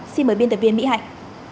xin mời biên tập viên mỹ hạnh